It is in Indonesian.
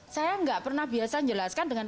saya nggak pernah biasa menjelaskan dengan